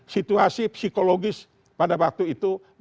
situasi psikologis pada waktu itu